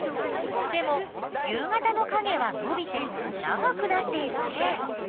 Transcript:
でも夕方のかげはのびて長くなっているね。